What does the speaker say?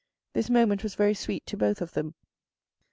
This moment was very sweet to both of them.